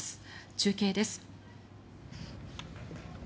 中継です。